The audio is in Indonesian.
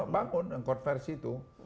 bangun konversi itu